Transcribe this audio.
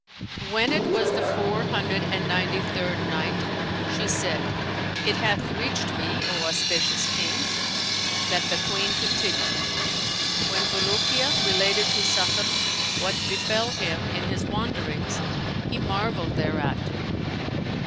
When it was the Four Hundred and Ninety third Night, She said, It hath reached me, O auspicious King, that the Queen continued: "When Bulukiya related to Sakhr what befell him in his wanderings, he marvelled thereat.